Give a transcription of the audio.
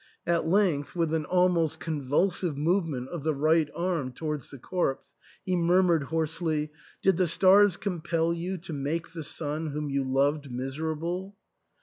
At length, with an almost convulsive movement of the right arm towards the corpse, he murmured hoarsely, " Did the stars compel you to make the son whom you loved miserable